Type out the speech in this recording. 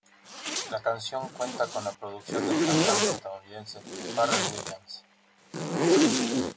La canción cuenta con la producción del cantante estadounidense Pharrell Williams.